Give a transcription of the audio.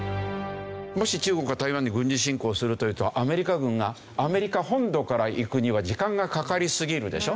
もし中国が台湾に軍事侵攻するというとアメリカ軍がアメリカ本土から行くには時間がかかりすぎるでしょ？